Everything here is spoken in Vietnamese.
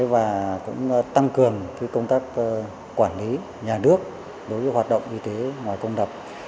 và tăng cường công tác quản lý nhà nước đối với hoạt động y tế ngoài công lập